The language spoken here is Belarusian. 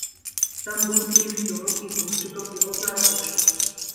Там быў і ліфцёрам, і грузчыкам, і рознарабочым.